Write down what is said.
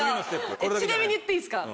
ちなみに言っていいですか？